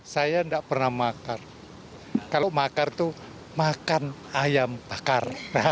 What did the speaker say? saya tidak pernah makar kalau makar itu makan ayam bakar